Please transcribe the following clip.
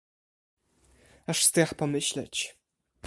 "Aż strach pomyśleć!"